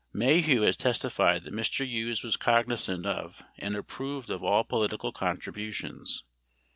6 Maheu has testified that Mr. Hughes was cognizant of and approved of all political contributions.